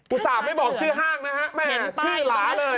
อุตส่าห์ไม่บอกชื่อห้างนะฮะแม่ชื่อหลาเลย